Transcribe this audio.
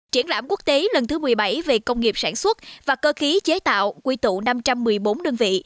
triển lãm quốc tế lần thứ một mươi bảy về công nghiệp sản xuất và cơ khí chế tạo quy tụ năm trăm một mươi bốn đơn vị